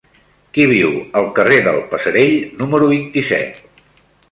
Qui viu al carrer del Passerell número vint-i-set?